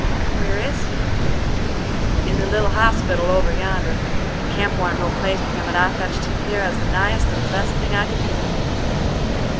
"Where is he?" "In the little hospital over yonder. Camp warn't no place for him, and I fetched him here as the nighest, and the best thing I could do for him."